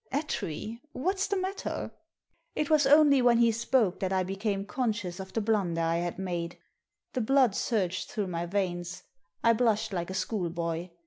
" Attree ! What's the matter ?" It was only when he spoke that I became conscious of the blunder I had made. The blood surged through my veins. I blushed like a schoolboy.